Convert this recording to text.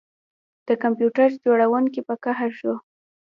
د کمپیوټر جوړونکي په قهر شو